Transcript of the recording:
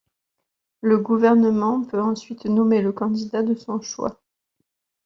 Le gouvernement peut ensuite nommer le candidat de son choix.